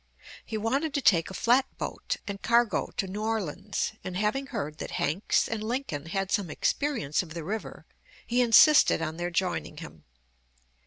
He wanted to take a flat boat and cargo to New Orleans, and having heard that Hanks and Lincoln had some experience of the river, he insisted on their joining him.